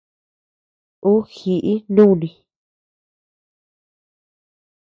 Ú jiʼi nùni.